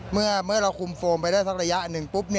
เมื่อเราคุมโฟมไปได้สักระยะหนึ่งปุ๊บ